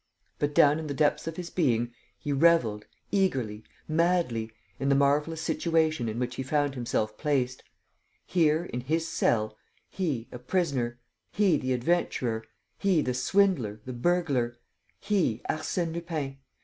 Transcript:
But, down in the depths of his being, he revelled, eagerly, madly, in the marvellous situation in which he found himself placed: here, in his cell, he, a prisoner; he, the adventurer; he, the swindler, the burglar; he, Arsène Lupin